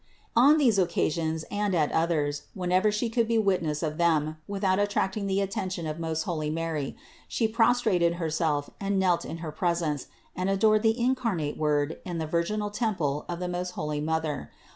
On these occasions, and at others whenever she could be witness of them without attracting the attention of most holy Mary, she pros trated herself and knelt in her presence, and adored the incarnate Word in the virginal temple of the most holy Mother.